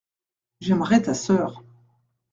J’aimerai ta sœur.